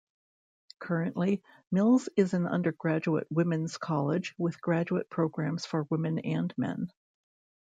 Currently, Mills is an undergraduate women's college with graduate programs for women and men.